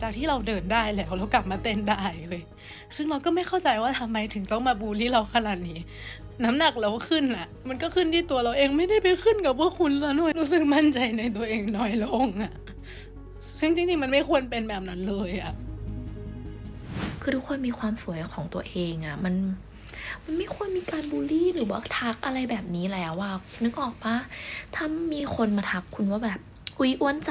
ขนาดนี้น้ำหนักเราก็ขึ้นอ่ะมันก็ขึ้นที่ตัวเราเองไม่ได้ไปขึ้นกับพวกคุณแล้วหน่อยรู้สึกมั่นใจในตัวเองน้อยลงอ่ะซึ่งจริงจริงมันไม่ควรเป็นแบบนั้นเลยอ่ะคือทุกคนมีความสวยของตัวเองอ่ะมันมันไม่ควรมีการบูลลี่หรือว่าทักอะไรแบบนี้แหละว่านึกออกป่ะถ้ามันมีคนมาทักคุณว่าแบบอุ้